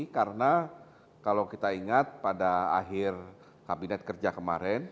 karena kalau kita ingat pada akhir kabinet kerja kemarin